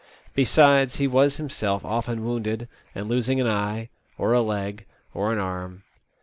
Besides, he was himself often wounded and losing an eye, or a leg, or an arm.